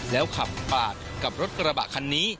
แล้วขับปาดกับรถกระบะคันนี้